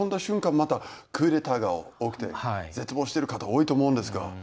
またクーデターが起きて絶望している方多いと思うんですが。